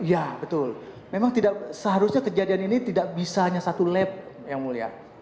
ya betul memang tidak seharusnya kejadian ini tidak bisa hanya satu lab yang mulia